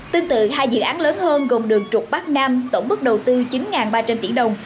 tương tự hai dự án lớn hơn gồm đường trục bắc nam tổng bức đầu tư chín ba trăm linh tỷ đồng